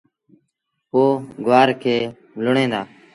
پو گُوآر کي لُڻيٚن دآ